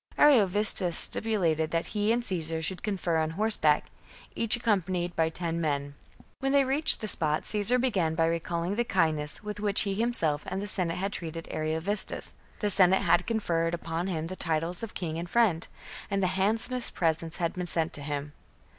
Ariovistus stipulated that he and Caesar should confer on horseback, each accompanied by ten ijien. When they reached the spot Caesar began by recalling the kindness with which he himself and the Senate had treated Ariovistus, — the Senate had conferred upon him the titles of 40 CAMPAIGNS AGAINST THE book 58 B.C. Wing and Friend, and the handsomest presents had been sent to him.